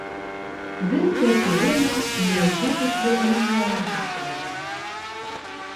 Бөтә тирә-яҡ миләүшә төҫлө умырзаяларға күмелгән.